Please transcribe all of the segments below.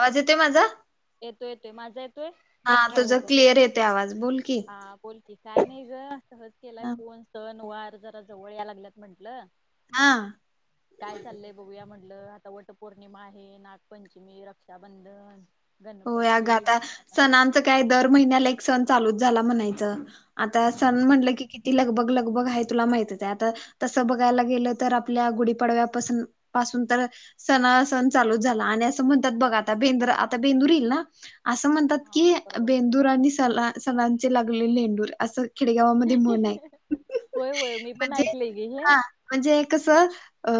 आवाज येतय माझा येतोय येतोय माझा येतोय हा तुझ क्लिअर येतय आवाज बोल की. हा बोल की, काय नाय ग सहज केलाय फोन सण वार जरा जवळ याय लागल्यात म्हंटलं. हा [inaudible] काय चालय बघूया म्हटलं आता वट पौर्णिमा, आहे नागपंचमी, रक्षाबंधन हो अग गणपती आता सणांचं काय दर महिन्याला एक सण चालूच झाला म्हणायचं. आता ह सण म्हटलं की कि ती लग बग लग बग हाय तुला माहतीच हाय आता तसं बघायला गेलं तर आपल्या गुढीपाडव्यापासून पासून तर सणा सण चालू झाला आणि असं म्हणतात बघ आता बेंद्र आप आता बेंदूर येईल ना, असं म्हणतात की हा बरोबर बरोबर बेंदूर आणि सला सणांचे लागले लेंडूर असं खेडेगावामध्ये म्हण हाय होय होय मी पण म्हणजे ऐकले गे हे हा म्हणजे कसं अ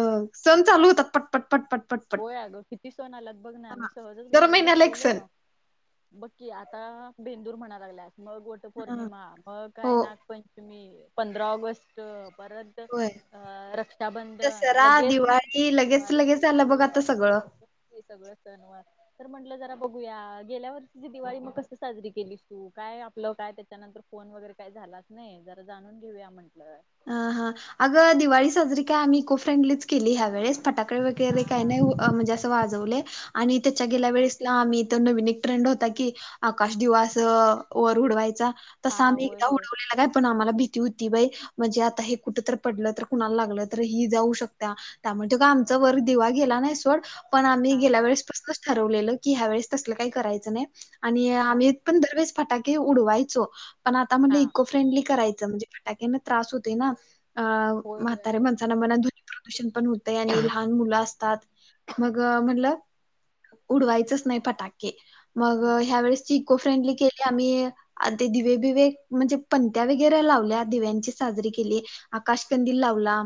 सण चालू होतात पटपट पटपट पटपट. [unintelligible] अग किती सण आल्यात बघ ना हा. मी सहजच दर बघत महिन्याला एक बसलेलो. सण बघ की आता बेंदूर म्हणा लागल्यात मग वट हा. पौर्णिमा, मग हो काय नाग पंचमी, पंधरा ऑगस्ट परत होय. अ रक्षाबंधन दसरा, लगेच म लगेच दिवाळी लगेच आलं बघ आता सगळं. बघ की सगळं सण वार तर म्हंटलं जरा बघूया गेल्या वर्षीची दिवाळी म कस साजरी केलीस तू काय आपलं काय त्या त्यानंतर फोन वगैरे काय झालाच नाय जरा जाणून घेऊया म्हंटलं. अ हा अगं दिवाळी साजरी काय आम्ही इको फ्रेंडलीच केली ह्या वेळेस फटाकळे हा वगैरे काय हा नाय अ म्हणजे असं वाजवले आणि त्याच्या हा गेल्या हा वेळेस ला आम्ही त नवीन एक ट्रेंड होता की आकाश दिवा अस वर उडवायचा हा तसा आम्ही होय एकदा होय उडवलेला काय पण आम्हाला भीती होती बाय म्हणजे आता हे कुठ तर पडलं तर कुणाला लागलं तर ही जाऊ शकता त्यामुळ त काय आमचा वर दिवा गेला नाय सोड पण आम्ही हा गेल्या हा वेळेसपसनच ठरवलेलं की ह्यावेेळेस तसलं काय करायचं नाय, आणि हा आम्ही पण दरवेळेस फटाके उडवायचो पण आता म्हणल हा इको फ्रेंडली करायचं म्हणजे फटाके न त्रास होतय ना अ होय होय म्हातारे अगं माणसाना म्हणा प्रदूषण पण होतंय आणि लहान मुलं असतात मग म्हणल उडवायचच नाय फटाके मग हम्म ह्या वेळेसची इको फ्रेंडली केली आम्ही आणि ते दिवे बिवे म्हणजे पणंत्या वगैरे लावल्या दिव्यांची साजरी केली. आकाशकंदील लावला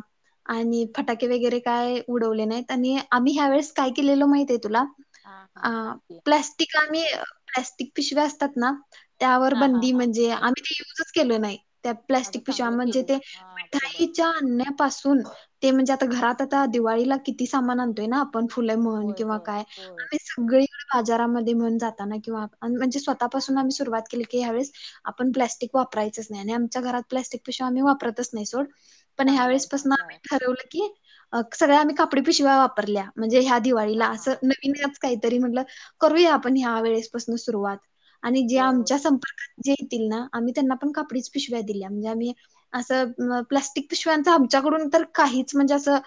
आणि फटाके वगैरे काय उडवले नाहीत. आणि आम्ही ह्या वेळेस काय केलेल माहित ये तुला हा अ हा सांग की प्लॅस् स्टिक आम्ही प्लास्टिक पिशव्या असतात ना त्यावर हा हा बंदी हा म्हणजे आम्ही ते युजच केलो नाय त्यात अगं प्लास्टिक पिशव्या चांगलं म्हणजे केलीस हा बरोबर मिठाई त्या आणण्यापासून ते म्हणजे आता घरात आता दिवाळीला किती सामान आणतोय ना आप आपण फुले म्हण होय किंवा होय काय होय आम्ही स गळी बाजारामध्ये म्हण जाताना किंवा अनं म्हणजे स्वतःपासून आम्ही सुरुवात केली की हयावेळेस आपण प्लाॅस्टिक वापरायच नाय आणि आमच्या घरात प्लास्टिक पिशव्या आम्ही वापरतच नाय सोड पण हया चांगला आहे वेळेसपासन चांगला आम्ही आहे ठरवलं की अ सगळ्या आम्ही कापडी पिशव्या वापरल्या म्हणजे ह्या दिवाळीला हा हा असं [unintelligible] काय तरी म्हटलं करूया आपण हया वेळेपासना सुरवात आणि जे होय होय आमच्या चांग संपर्कात जे येतील ना आम्ही त्यांना पण कापडीच पिशव्या दिल्या. यानी असं प्लास्टिक पिशव्यांचं आमच्याकडून तर काहीच म्हणजे असं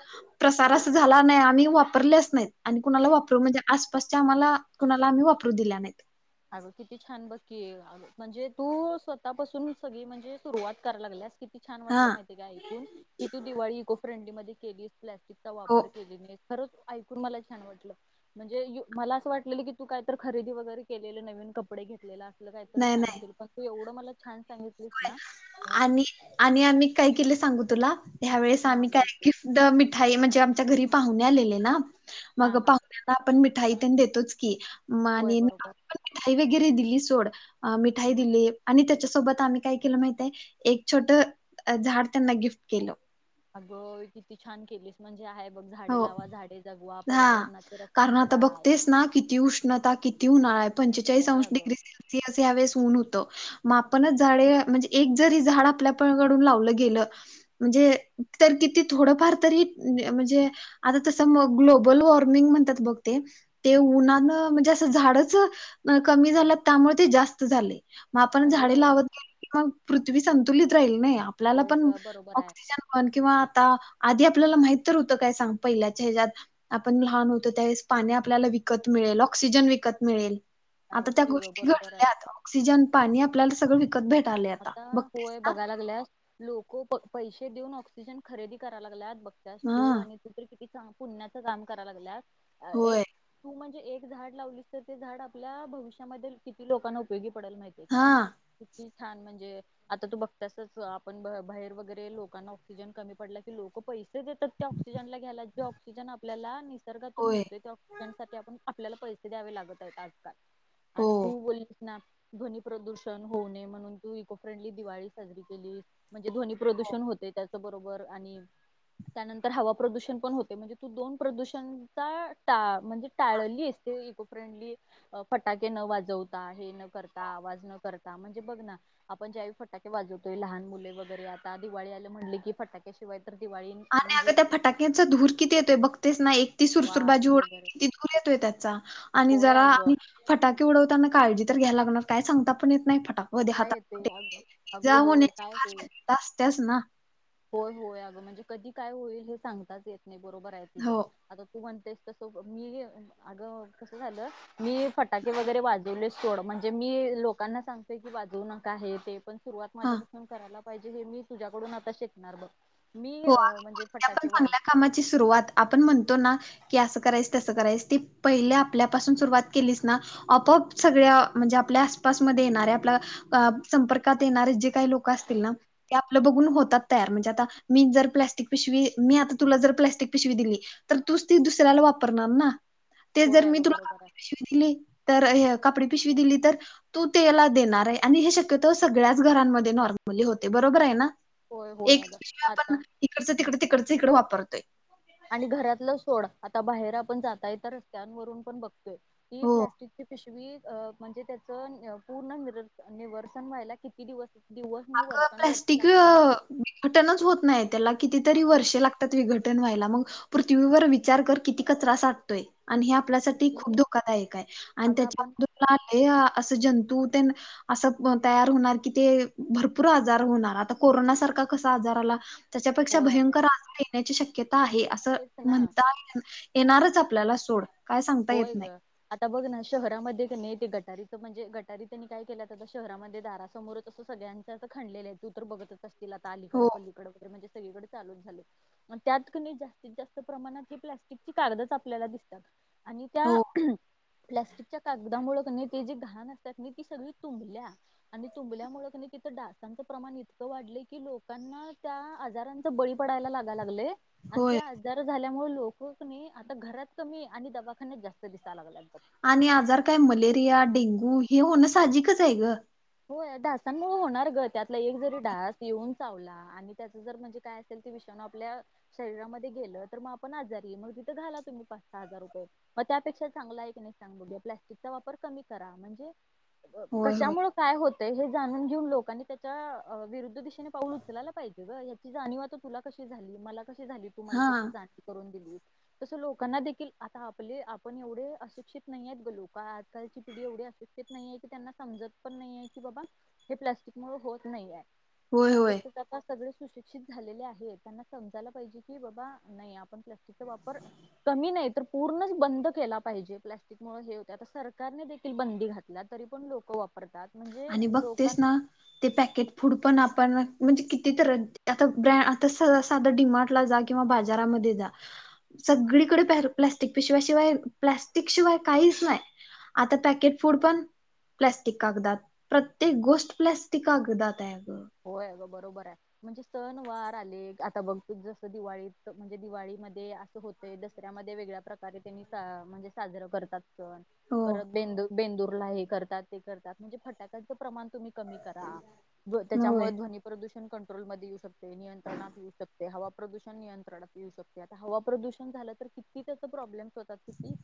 प्रसार असा झाला नाही आम्ही वापरल्याच नाहीत आणि कुणाला वापरू म्हणजे आसपासच्या आम्हाला कुणाला आम्ही वापरू दिल्या नाहीत. अगं किती छान बघकी आ म्हणजे तू स्वतःपासून सगळी म्हणजे सुरुवात करा लागल्यास किती छान हा वाटलं माहितीय का ऐकून की तू दिवाळी इको फ्रेंडली मध्ये केलीस, प्लास्टिकचा हो वापर केली नाईस खरंच ऐकून मला छान वाटलं, म्हणजे यु, मला असं वाटलेलं की तू काय तर खरेदी वगेरे केलेलं नवीन कपडे घेतलेला, असलं काहीतर नाही सांगशील पण तू एवढं मला छान सांगितल की आनी, आनी आम्ही काय केलं सांगू तुला, ह्या वेळेस हा आम्ही काय बोलते गिफ्ट द मिठाई म्हणजे आमच्या घरी पाहुणे आलेले ना, हा मग हा पाहुण्यां आपण मिठाई तेन देतोच की, म होय आनि-न बरोबर मिठाई वगरे दिली सोड अं, मिठाई दिली आणि त्याच्यासोबत आम्ही काय केलं माहिताय, एक छोटं झाड त्यांना गिफ्ट केलं. अगं! किती छान केलीस. म्हणजे हाय बघं झाडे हो लावा, झाडे जगवा हा पर्यावरणाचे रक्षण कारण करा. त्यु आय, पंचेचाळीस होय अंश अगं डिग्री सेल्सियस या वेळेस ऊन होतं. मग आपणच झाडे, म्हणजे एक जरी झाड आपल्या पळ कडून लावलं गेलं म्हणजे, तर किती थोडंफार तरी, म्हणजे आता तसं मग, ग्लोबल वॉर्मिंग म्हणतात बघं ते ते उन्हानं म्हणजे असं, झाडचं कमी झाल्यात त्यामुळे ते जास्त झालंय. मग आपण झाडे अगं लावत नाही, मग पृथ्वी संतुलित राहील नई आपल्याला होय पण ग बरोबर आहे ऑक्सिजन पण किंवा आता, आधी आपल्याला माहीत तर होतं काय सांग पहिल्याच्या ह्याच्यात आपण लहान होतो त्यावेळेस पाणी आपल्याला विकत मिळेल, ऑक्सिजन विकत मिळेल. आता नाहीच त्या की ग गोष्टी बरोबर आहे घडल्यात, ऑक्सिजन पाणी आपल्याला सगळं विकत भेट आता वय बघाय लागल्यात. लोक प-पैसे देऊन ऑक्सिजन खरेदी करायला लागल्यात बघत्यास हा तू आणि तर किती, चांग पुण्याचं काम कराय लागल्यात, एक होय तू म्हणजे एक झाड लावलीस तर ते झाड आपल्या, भविष्यामध्ये किती लोकांना उपयोगी पडेल माहित ते काय, हा किती छान म्हणजे आता तू बघत्यासच अ, आपण बाहेर वगरे लोकांना ऑक्सिजन कमी पडला की लोकं पैसे देतात. त्या ऑक्सिजनला घ्यायला, जो ऑक्सिजन आपल्याला निस्स निसर्गातून होय. मिळतोय तो ऑक्सीजन साठी आपण आपल्याला पैसे द्यावे लागत आहेत आजकाल. हो, आणि तू बोललीस ना, ध्वनी प्रदूषण होऊ नये म्हणून तू इको फ्रेंडली दिवाळी साजरी केलीस, म्हणजे ध्वनी हो, प्रदूषण होतंय त्याच बरोबर आणि त्यानंतर हवा प्रदूषण पण होतंय, म्हणजे तू दोन प्रदूषण चा टा म्हणजे टाळलीस, ते इको फ्रेंडली फटाके न वाजवता हे न करता, हो. आवाज न करता, म्हणजे बघ ना आपण ज्यावेळी फटाके वाजवतोय लहान मुले वगैरे आता, दिवाळी आली म्हणले की फटाके त्या शिवाय तर दिवाळी आणि अगं म्हणजे त्या फटाक्यांचा धूर किती येतोय बघतेस ना, एक ती सुरसुर वास बाजी वूडू वगैरे किती धूर येतोय त्यांचा, आनि होय जरा अगं आनि फटाके उडवताना काळजी तर घ्याय लागणार काय सांगता पण येत नाही फटाक व ध्ये काय हाता येते [unintelligible] अगं इजा अगं होय होण्याची काय होईल फाशक्ता असत्याच ना. होय होय, अगं म्हणजे कधी काय होईल हे सांगताच येत नाही, बरोबर आहे तुझं. हो. आता तू म्हणतेस तसं, मी घे, अगं कसं झालं मी फटाके वगरे वाजवलेच सोड, म्हणजे मी लोकांना सांगतेय की, वाजवू नका हे ते पण सुरुवात हां. माझ्यापासुन करायला पाहिजे. हे मी तुझ्याकडून आता शिकणार बघं. हो, आणि कोणत्या पण चांगल्या कामाची सुरुवात आपण म्हणतो ना की, अस करायच, तस करायच. ती पहिल्या आपल्यापासून सुरुवात केलीच ना आपोआप सगळ्या, म्हणजे आपल्या आसपासमध्ये येणाऱ्या आपल्या संपर्कात येणारे जे काही लोक असतील ना, ते आपलं बघून होतात तयार म्हणजे आता मी जर प्लॅस्टिक पिशवी, मी आता तुला जर प्लॅस्टिक पिशवी दिली तर तूच ती दुसऱ्याला वापरणार ना. ते होय जर मी अगं तुला बरोबर कापडी आहे पिशवी दिली. तर हे, कापडी पिशवी दिली तर? तू तेला, देणारेय. आणि हे शक्यतो सगळ्याच घरांमध्ये नॉर्मली होतय. बरोबर आहे ना. होय होय एकच अगं पिशवी आता आपण इकडच तिकडे तिकडच इकडे वापरतोय. आणि घरातल सोड, आता बाहेर आपण जाता येता रस्त्यांवरून पण बघतोय. ती हो. प्लास्टिकची पिशवी म्हणजे त्याच पूर्ण निवर्सन व्हायला किती दिवस दिवस नाही अग वर्षानुवर्ष प्लॅस्टिक लागतात विघटनच होत नाही. त्याला कितीतरी हा वर्षे लागत विघटन व्हायला. मग पृथ्वीवर विचार कर किती कचरा साटतोय. आणि हे आपल्यासाठी किती खूप धोकादायक आहे. आणि अगं त्याच्या आपण ला ते हा, अस जंतू तेन अस तयार होणार कि ते भरपूर आजार होणार, आता कोरोनासारखा कसा आजार आला. त्याच्यापेक्षा होय अगं भयंकर आ येण्याची शक्यता आहे. अस तेच ना म्हणता, येणारच आपल्याला सोड. काय सांगता येत होय नाही. ग. आता बघ ना शहरामध्ये की नाही, ते गटारीच म्हणजे गटारी त्यांनी काय केल्यात आता शहरामध्ये दारासमोर अस सगळ्या खनलेल आहे. तू तर बघतच असतील, आता अलीकड हो, पलीकड वगैरे म्हणजे सगळीकडे चालूच झाले. आणि त्यात की नाही, जास्तीत जास्त प्रमाणात ही प्लॅस्टिकची कागदच आपल्याला दिसतात. आणि त्या हो, प्लास्टिकच्या कागदामुळे की नाही, ते जे घाण असतात नी ती सगळी तुंबल्या. आणि तुंबल्यामुळ की नाही, तिथ डासांच प्रमाण इतक वाढल की लोकांना त्या आजारा बळी पडायला लागाय लागलय. आणि होय. ते आजार झाल्यामुळे लोक क नाही, आता घरात कमी आणि दवा खान्यात जास्त दिसाय लागलायत बघ. आणि आजार काय मलेरिया, डेंगू हे होण साहजिकच आहे ग. हो या डासांमुळे होणार ग. त्यातला एक जरी डास येऊन चावला आणि, त्याच जर म्हणजे काय असेल ते विषाणू आपल्या शरीरामध्ये गेल तर मग आपण आजारी. मग तिथ घाला तुम्ही पाच सहा हजार रुपये. मग त्यापेक्षा चांगला आहे की नाही सांग बघू. प्लास्टिकचा वापर कमी करा. म्हणजे होय होय कशामुळे काय होतय, हे जाणून घेऊन लोकांनी त्याच्या विरुद्ध दिशेने पाऊल उचलायला पाहिजे ग. याची जाणीव आता तुला कशी झाली. मला कशी झाली. तू मला हा त्याची जाणीव करून दिली. तसं लोकांना देखील आता आपले आपण एवढे अशिक्षित नाही आहेत ग लोक आजकालची पिढी एवढी अशिक्षित नाही आहे. त्यांना समजत पण नाही की बाबा, हे प्लास्टिक मुळ होत नाहीय. तू होय होय म्हणतेस सगळे सुशिक्षित झालेले आहे. त्यांना समजायला पाहिजे की बाबा नाही आपण प्लास्टिकचा वापर कमी नाही तर पूर्णच बंद केला पाहिजे‌. प्लास्टिक मुळे हे होते. आता सरकारने देखील बंदी घातल्या, तरी पण लोक वापरतात. म्हणजे आणि बघतेस लोकांना ना ते पॅकेट फूड पण आपण म्हणजे किती तर आता ब्रँ आता साधा डि मार्ट ला जा किंवा बाजारामध्ये जा. सगळीकडे प प्लाॅस्टिक पिशव्याशिवाय प्लाॅस्टिक शिवाय काहीच नाही. आता पॅकेट फूड पण, प्लस्टिक कागदात. प्रत्येक गोष्ट, प्लॅस्टिक कागदाताय आगं. होय, आगं. बरोबराय. म्हणजे सण वार आले. आता बघ. जसं, दिवाळीत. म्हणजे, दिवाळीमध्ये होते. दसऱ्यामध्ये वेगळ्या प्रकारे त्यांनी म्हणजे सा साजरं करतात सण. हो परत बेंदू - बेंदूरला हे करतात, ते करतात. म्हणजे फटाक्यांचं प्रमाण तुम्ही कमी करा. होय त्याच्यामुळं ध्वनी प्रदूषण कंट्रोलमध्ये येऊ शकतय. नियंत्रात येऊ शकतय. हवा प्रदूषण नियंत्रणात येऊ शकतय. आता हवा प्रदूषण झालं तर, किती? त्याच प्रॉब्लेम्स होतात. किती?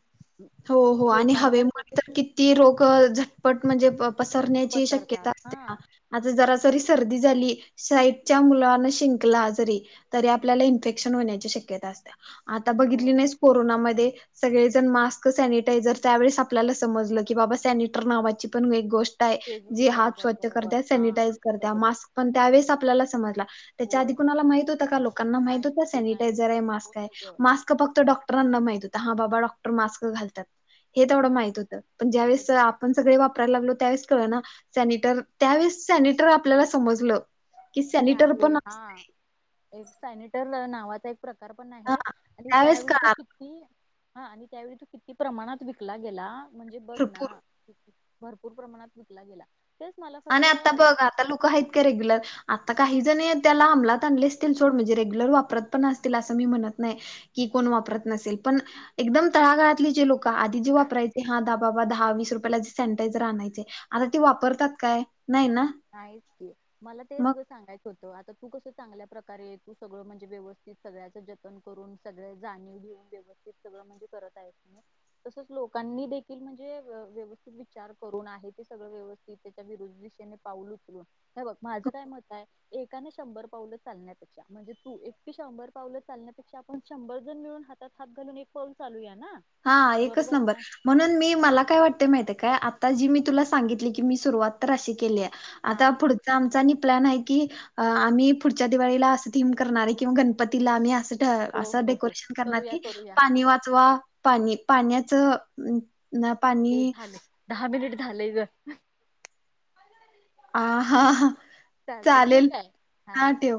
हो, हो. आणि लोकांवर ते हवेमुळे तर की ती रोगं झटपट म्हणजे, पसरण्याची पसरतात शक्यता असते हा ना. आता जराजरी सर्दी झाली. साईटच्या मुलान, शिंकला जरी तरी आपल्याला इन्फेक्शन होण्याची शक्यता असत्या. आता हो बघितली नाहीस, कोरोनामध्ये. सगळेजण मास्क सॅनिटायझर. त्यावेळेस आपल्याला समजलं की बाबा, सॅनिटर नावाची पण एक गोष्ट य. पेज जे हात बरोबर स्वच्छ बरोबर करत्या. हा सॅनिटाईज करत्या. बरोबर मास्क पण त्यावेळेस आपल्याला समजला. त्याच्या होय आधी कुणाला? माहित होतं का? लोकांना माहित होत नाही नाही सॅनिटायझरय? मास्कय? होय ग मास्क क फक्त डॉक्टराना माहित होत. हा बाबा, डॉक्टर मास्क घालत्यात. हे तेवढं हम्म माहित होतं. पण ज्यावेेळेस बरोबर आहे आपण सगळे वापरायला लागलो. त्यावेळेस कळना, सॅनिटर. त्यावेळेस सॅनिटर आपल्याला समजलं. कि, हे सॅनिटर आहे पण अस हा एक सॅनेटर नावाचा एक प्रकार पण हा आहे. आणि त्यावेळेस त्यावेळी तो कळालं कित ती, हा आणि त्यावेळी तू किती? प्रमाणात विकला गेला. म्हणजे बघ भरपूर ना. किती भरपूर प्रमाणात विकला गेला. तेच मला आणि आता फक्त बघ. आता लोक हाईत का? रेग्युलर. आता काही जणय, त्याला अंमलात आणले असतील. सोड. म्हणजे रेग्युलर वापरत पण असतील. असं मी म्हणत नाही. कि, कोण वापरत नसेल. पण एकदम तळागळातली जे लोकं. आधी जे वापरायचे. हा दहा, बाबा दहा - वीस रुपयाला जे सॅनिटायझर आणायचे. आता ती वापरतात काय? नाही ना? नाहीच की. मला तेच मग गं, सांगायच आता तू कस, चांगल्या प्रकारे, तू सगळं म्हणजे व्यवस्थित. सगळ्याच जतन करून. सगळं जाणीव घेऊन व्यवस्थित स्थित, सगळं. म्हणजे करत आहेस न. तसच लोकांनी देखील. म्हणजे, व्यवस्थित विचार करून. आहे ते सगळं व्यवस्थित आता विरोधी दिशेने पाऊल उचलून. हे बघ, माझं काय मताय एकाने शंभर पावलं चालण्यापेक्षा, म्हणजे तू. एकटीने शंभर पावलं चालण्यापेक्षा, आपण शंभर जन मिळून हात तात हात घालून, एक पाऊल चालू या ना. हा. एकच बरोबर नंबर. ना म्हणून मी, मला काय वाटते माहितेय काय? आता जी मी तुला सांगितली की, मी सुरुवात तर अशी केल्याय. हा आता पुढ आमचा नि प्लॅनाय की, अ आम्ही पुढच्या दिवाळीला असं थीम करणारय कि, गणपतीला आम्ही असं हो असं हो हो डेकोरेशन करणार करूया की, करूया पाणी वाचवा, पाणी पाण्याचं ना पाणी ये झालं. दहा मिनिट झालेय गं. आ हा हा चालतय. ठीव चालेल काय? हा ठेव.